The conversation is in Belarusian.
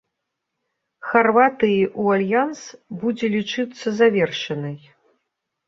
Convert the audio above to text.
Харватыі ў альянс будзе лічыцца завершанай.